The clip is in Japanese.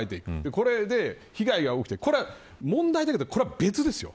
これで被害が起きてこれは問題だけど、別です。